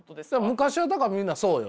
昔はだからみんなそうよ。